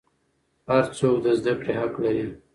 هر څوک د زده کړې حق لري.